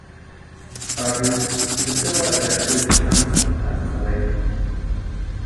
However, Susila eventually succumbs and passes away.